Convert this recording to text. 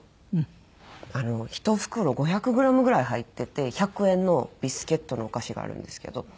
１袋５００グラムぐらい入ってて１００円のビスケットのお菓子があるんですけど。